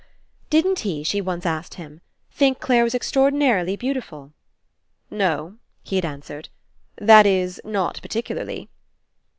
Didn't he, she once asked him, think Clare was extraordinarily beautiful? *'No," he had answered. "That is, not particularly."